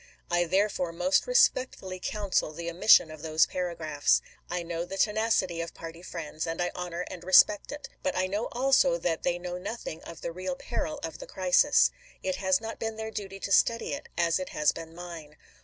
I therefore most respectfully counsel the omis sion of those paragraphs. I know the tenacity of party friends, and I honor and respect it. But I know also that they know nothing of the real peril of the crisis. It has not been their duty to study it, as it has been mine.